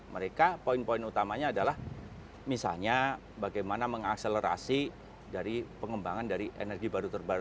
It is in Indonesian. mereka poin poin utamanya adalah misalnya bagaimana mengakselerasi dari pengembangan dari energi baru terbaru